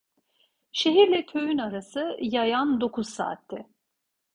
Şehirle köyün arası yayan dokuz saatti.